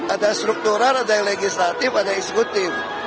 ada struktural ada yang legislatif ada eksekutif